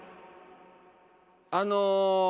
あの。